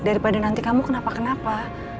daripada nanti kamu kenapa kenapa